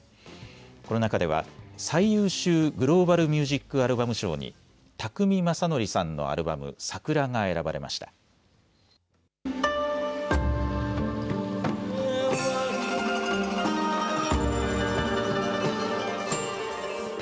この中では最優秀グローバル・ミュージック・アルバム賞に宅見将典さんのアルバム、ＳＡＫＵＲＡが選ばれました。